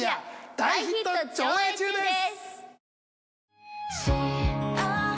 大ヒット上映中です！